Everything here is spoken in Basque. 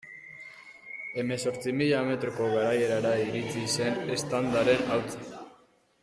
Hemezortzi mila metroko garaierara iritsi zen eztandaren hautsa.